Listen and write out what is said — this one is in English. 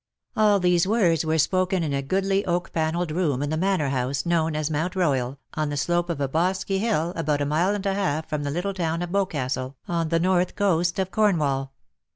All these words were spoken in a goodly oak panelled room in the Manor House known as Mount E oyal, on the slope of a bosky hill about a mile and a half from the little town of Boscastle, on the north coast of Cornwall.